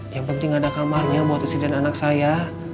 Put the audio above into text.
yang penting ada kamarnya buat istri dan anak saya